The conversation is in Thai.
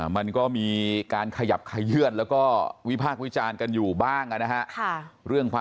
มันก็มีการขยับขยื่นแล้วก็วิพากษ์วิจารณ์กันอยู่บ้างนะฮะ